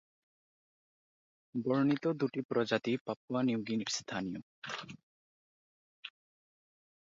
বর্ণিত দুটি প্রজাতি পাপুয়া নিউ গিনির স্থানীয়।